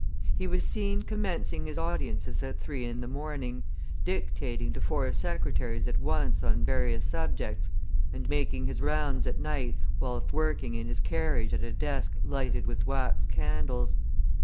"He was seen commencing his audiences at three in the morning, dictating to four secretaries at once on various subjects, and making his rounds at night whilst working in his carriage at a desk lighted with wax candles.